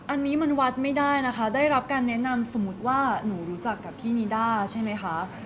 อันนี้มันวัดไม่ได้นะคะได้รับการแนะนำสมมุติว่าหนูรู้จักกับพี่นิด้าใช่ไหมคะ